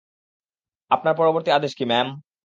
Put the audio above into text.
আপনার পরবর্তী আদেশ কি, ম্যাম?